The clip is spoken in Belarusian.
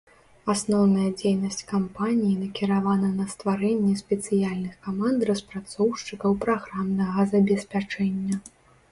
Асноўная дзейнасць кампаніі накіравана на стварэнне спецыяльных каманд распрацоўшчыкаў праграмнага забеспячэння.